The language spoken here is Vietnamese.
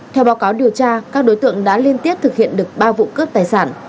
theo báo cáo điều tra các đối tượng đã liên tiếp thực hiện được ba vụ cướp tài sản